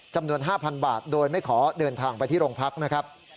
จำนวน๕๐๐บาทโดยไม่ขอเดินทางไปที่โรงพักนะครับ